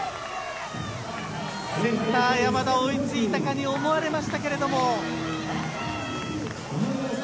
センター、山田、追いついたかに思われましたけども。